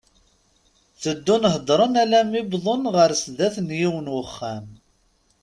Teddun heddren alammi wwḍen ɣer sdat n yiwen n uxxam.